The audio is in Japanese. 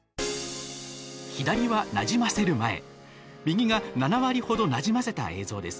左は、なじませる前右が７割程なじませた映像です。